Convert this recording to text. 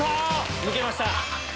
抜けました。